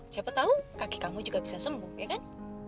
siapa tahu kaki kamu juga bisa sembuh ya kan